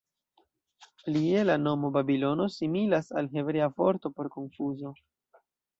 Plie la nomo "Babilono" similas al hebrea vorto por "konfuzo".